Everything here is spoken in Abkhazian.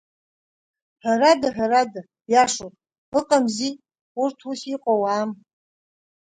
Ҳәарада, ҳәарада, биашоуп, ыҟамзи, урҭ ус иҟоу уаам.